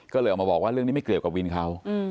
ก็เลยออกมาบอกว่าเรื่องนี้ไม่เกี่ยวกับวินเขา